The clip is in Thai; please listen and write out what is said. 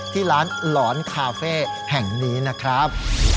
ที่ร้านหลอนคาเฟ่แห่งนี้นะครับ